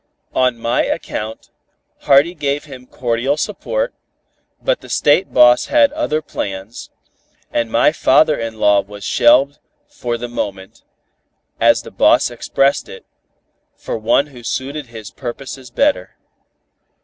On my account, Hardy gave him cordial support, but the State boss had other plans, and my father in law was shelved "for the moment," as the boss expressed it, for one who suited his purposes better.